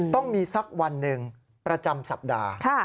ต้องมีสักวันหนึ่งประจำสัปดาห์